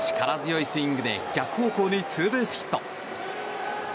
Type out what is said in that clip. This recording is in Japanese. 力強いスイングで逆方向へツーベースヒット。